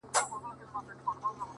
د ميني شر نه دى چي څـوك يـې پــټ كړي،